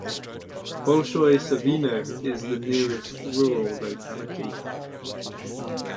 Bolshoye Savino is the nearest rural locality.